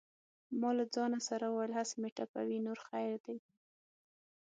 ما له ځانه سره وویل: هسې مې ټپوي نور خیر دی.